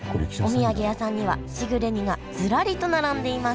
お土産屋さんにはしぐれ煮がずらりと並んでいます